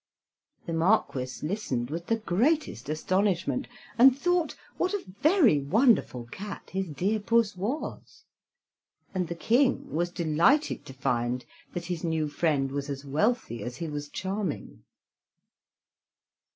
The Marquis listened with the greatest astonishment, and thought what a very wonderful cat his dear Puss was; and the King was delighted to find that his new friend was as wealthy as he was charming.